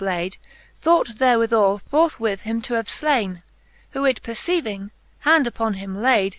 blade, Thought therewithall forthwith him to have flaine, Who it perceiving, hand upon him layd.